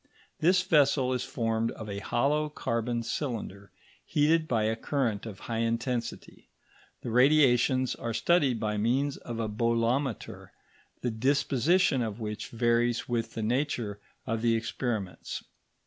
This vessel is formed of a hollow carbon cylinder, heated by a current of high intensity; the radiations are studied by means of a bolometer, the disposition of which varies with the nature of the experiments.